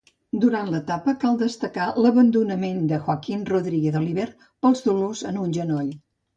Durant l'etapa cal destacar l'abandonament de Joaquim Rodríguez Oliver pels dolors en un genoll.